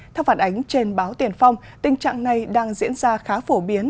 theo phản ánh trên báo tiền phong tình trạng này đang diễn ra khá phổ biến